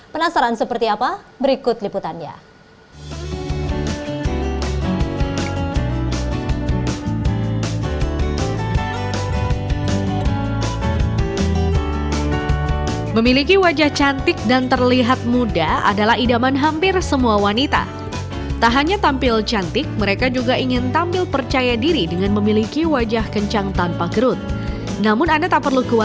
penasaran seperti apa berikut liputannya